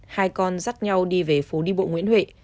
hai con dắt nhau đi về phố đi bộ nguyễn huệ